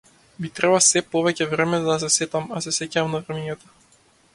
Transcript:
Ми треба сѐ повеќе време за да се сетам, а се сеќавам на времињата.